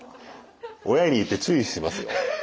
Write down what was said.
親に言って注意しますよ。